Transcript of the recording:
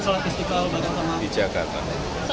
sholat id di istiqlal pak